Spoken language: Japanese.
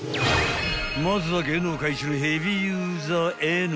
［まずは芸能界一のヘビーユーザーＮ］